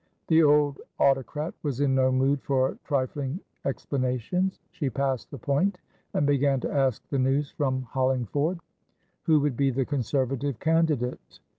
The old autocrat was in no mood for trifling explanations. She passed the point, and began to ask the news from Hollingford. Who would be the Conservative candidate?